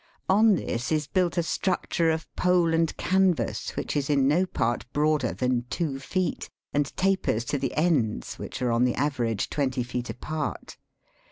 On this is built a structure of pole and canvas, which is in no part broader than two feet, and tapers to the ends, which are on the average twenty feet apart.